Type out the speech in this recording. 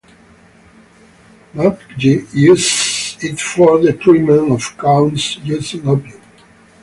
Mudge used it for the treatment of coughs using opium.